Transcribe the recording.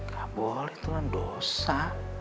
gak boleh tuhan dosa